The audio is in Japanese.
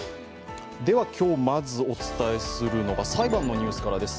今日まずお伝えするのが裁判のニュースからです。